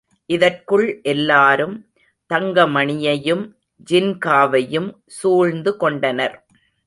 இதற்குள் எல்லாரும் தங்கமணியையும், ஜின்காவையும் சூழ்ந்து கொண்டனர்.